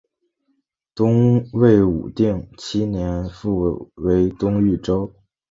东魏武定七年复为东豫州。